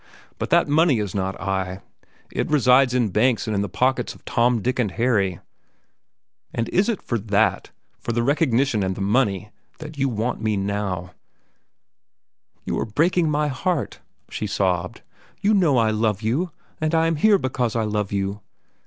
But that money is not I. It resides in banks and in the pockets of Tom, Dick, and Harry. And is it for that, for the recognition and the money, that you now want me?" "You are breaking my heart," she sobbed. "You know I love you, that I am here because I love you."